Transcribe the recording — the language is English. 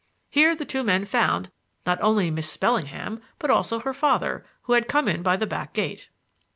Here the two men found, not only Miss Bellingham, but also her father, who had come in by the back gate.